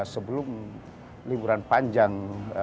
sebelum liburan panjang